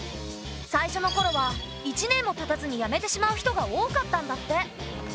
最初のころは１年もたたずに辞めてしまう人が多かったんだって。